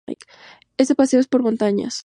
Este paseo es por montañas.